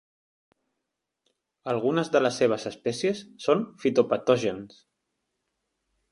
Algunes de les seves espècies són fitopatògens.